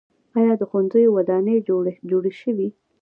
آیا د ښوونځیو ودانۍ جوړې شوي؟